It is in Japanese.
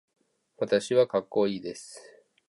私はかっこいいです。